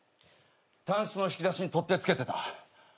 たんすの引き出しに取っ手付けてた。